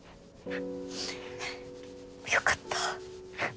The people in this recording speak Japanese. よかった。